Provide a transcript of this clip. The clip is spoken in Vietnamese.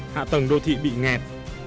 hạ tầng đô thị bị nghẹt